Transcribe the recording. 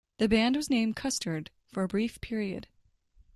The band was named Custerd for a brief period.